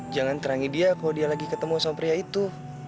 jangan terangi dia kalau dia lagi ketemu sama pria itu